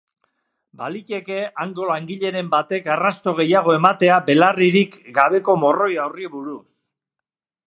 Baliteke hango langileren batek arrasto gehiago ematea belarririk gabeko morroi horri buruz.